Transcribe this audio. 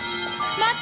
待って！！